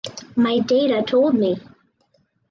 My data told me.